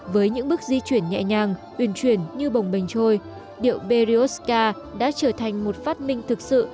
với những bước di chuyển nhẹ nhàng uyển chuyển như bồng bềnh trôi điệu berioska đã trở thành một phát minh thực sự